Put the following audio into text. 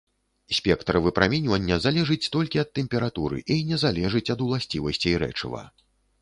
Спектр выпраменьвання залежыць толькі ад тэмпературы і не залежыць ад уласцівасцей рэчыва.